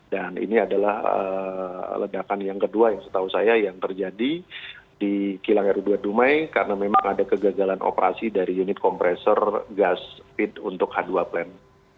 dan ini adalah ledakan yang kedua yang setahu saya yang terjadi di kilang ru dua dumai karena memang ada kegagalan operasi dari unit kompresor gas fit untuk h dua plan